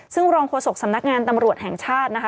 ซึ่งรองโฆษกสำนักงานตำรวจแห่งชาตินะคะ